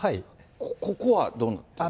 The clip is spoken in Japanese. ここはどうなってる？